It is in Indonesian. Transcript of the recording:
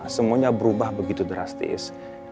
semuanya berubah begitu drastis